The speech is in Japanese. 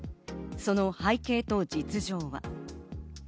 その背景と実情は。